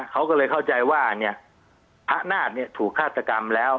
เขาก็เลยเข้าใจว่าเนี่ยพระนาฏถูกฆาตกรรมแล้ว